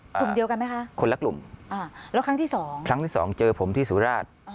กลุ่มเดียวกันไหมคะคนละกลุ่มอ่าแล้วครั้งที่สองครั้งที่สองเจอผมที่สุราช